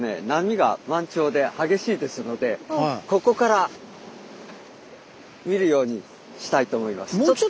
波が満潮で激しいですのでここから見るようにしたいと思います。